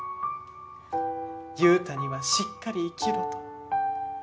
佑太にはしっかり生きろと。